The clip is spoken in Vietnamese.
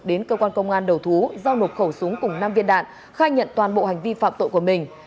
đến cơ quan công an đầu thú giao nộp khẩu súng cùng năm viên đạn khai nhận toàn bộ hành vi phạm tội của mình